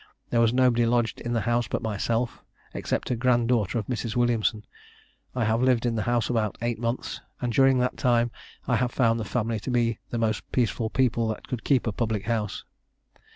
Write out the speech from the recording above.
There was nobody lodged in the house but myself, except a grand daughter of Mrs. Williamson. I have lived in the house about eight months, and during that time I have found the family to be the most peaceful people that could keep a public house.